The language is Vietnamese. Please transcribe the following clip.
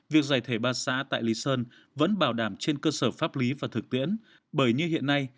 việc giải thể ba xã tại lý sơn vẫn bảo đảm trên cơ sở pháp lý và thực tiễn bởi như hiện nay